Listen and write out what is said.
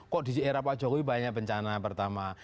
kok di era pak jokowi banyak bencana pertama